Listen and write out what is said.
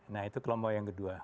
nah itu kelompok yang kedua